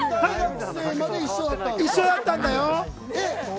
ずっと一緒だったんだよ。